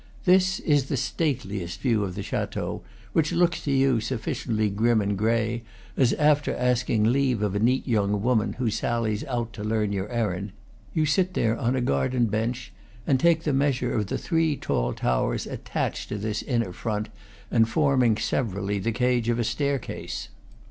This is the stateliest view of the chateau, which looks to you sufficiently grim and gray as, after asking leave of a neat young woman who sallies out to learn your errand, you sit there on a garden bench and take the measure of the three tall towers attached to this inner front and forming sever ally the cage of a staircase.